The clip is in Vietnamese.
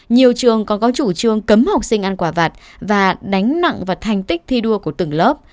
nhiều trường còn có chủ trường cấm học sinh ăn quà vặt và đánh nặng vật hành tích thi đua của từng lớp